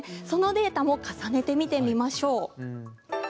そのデータも重ねて見てみましょう。